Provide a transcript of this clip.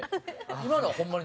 今のはホンマに？